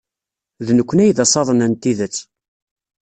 D nekkni ay d asaḍen n tidet.